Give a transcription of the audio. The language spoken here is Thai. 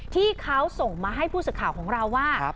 ที่เขาส่งมาให้ผู้สื่อข่าวของเราว่า